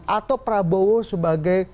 atau prabowo sebagai